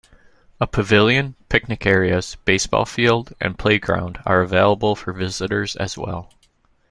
A pavilion, picnic areas, baseball field, and playground are available for visitors as well.